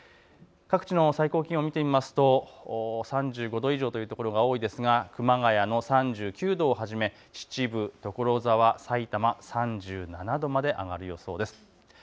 各地の最高気温を見てみますと、３５度以上という所が多いですが熊谷の３９度をはじめ秩父、所沢、さいたま３７度まで上がる予想です。